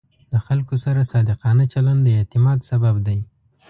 د خلکو سره صادقانه چلند د اعتماد سبب دی.